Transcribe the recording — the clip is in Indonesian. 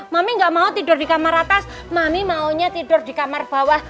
mami gak mau tidur di kamar atas mami maunya tidur di kamar bawah